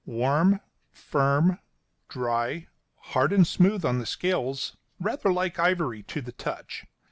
Warm, firm, dry, hard and smooth on the scales, rather like ivory to the touch.